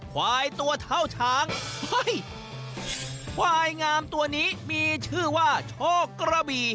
ควายตัวเท้าชางควายงามตัวนี้มีชื่อว่าโชครบี